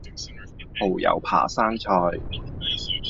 蠔油扒生菜